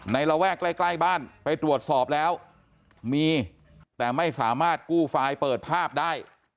ระแวกใกล้ใกล้บ้านไปตรวจสอบแล้วมีแต่ไม่สามารถกู้ไฟล์เปิดภาพได้